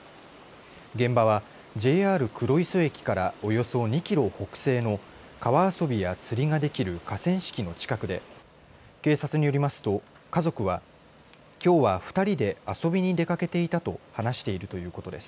現場はＪＲ黒磯駅からおよそ２キロ北西の川遊びや釣りができる河川敷の近くで警察によりますと家族はきょうは２人で遊びに出かけていたと話しているということです。